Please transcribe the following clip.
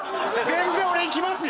全然俺いきますよ？